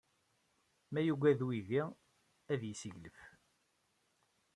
Ma yugad uydi, ad yesseglef.